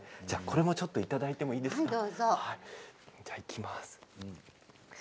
これもちょっといただいていいですか。